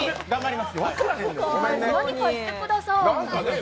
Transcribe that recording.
何か言ってください。